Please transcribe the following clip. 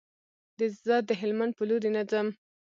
زه د هلمند په لوري نه ځم.